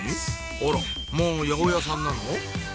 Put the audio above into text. あらまぁ八百屋さんなの？